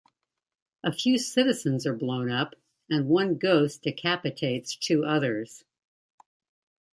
A few citizens are blown up and one ghost decapitates two others.